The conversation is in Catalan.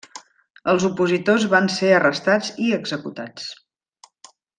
Els opositors van ser arrestats i executats.